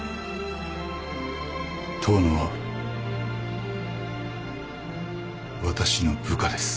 遠野は私の部下です。